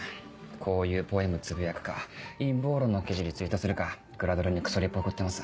こういうポエムつぶやくか陰謀論の記事リツイートするかグラドルにクソリプ送ってます。